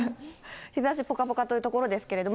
日ざしぽかぽかというところですけれども。